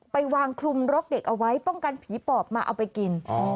ไปวางคลุมรกเด็กเอาไว้ป้องกันผีปอบมาเอาไปกิน